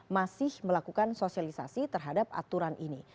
masih melakukan sosialisasi terhadap aturan ini